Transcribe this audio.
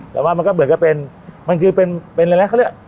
แต่ว่ามันก็เหมือนกับเป็นมันคือเป็นอะไรเขาเรียก